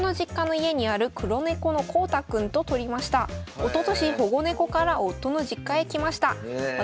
おととし保護猫から夫の実家へ来ました。